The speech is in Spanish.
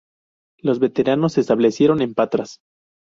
Los veteranos se establecieron en Patras.